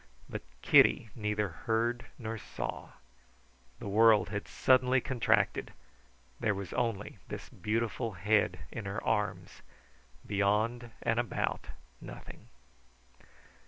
But Kitty neither heard nor saw. The world had suddenly contracted; there was only this beautiful head in her arms; beyond and about, nothing.